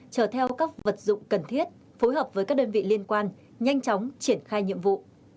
chở theo các vật dụng cần thiết phối hợp với các đơn vị liên quan nhanh chóng triển khai nhiệm vụ